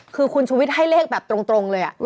คือคุณชุวิตให้เลขแบบตรงเลย